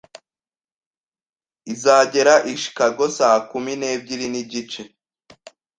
Izagera i Chicago saa kumi n'ebyiri n'igice.